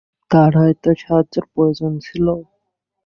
তার হয়তো সাহায্যের প্রয়োজন ছিলো।